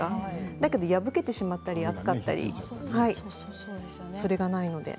だけど破けてしまったり熱かったり、それがないので。